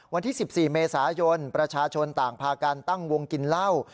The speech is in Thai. วันที่๑๔เมษายนประชาชนต่างพากันตั้งวงกินเหล้า